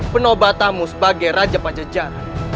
penaubatamu sebagai raja pandjajaran